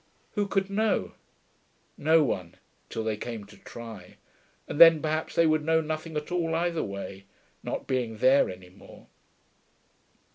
Who could know? No one, till they came to try. And then perhaps they would know nothing at all either way, not being there any more....